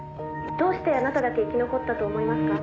「どうしてあなただけ生き残ったと思いますか？」